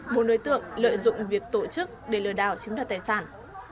một nơi tượng lợi dụng việc tổ chức để lửa đảo chiếm đoạt tài sản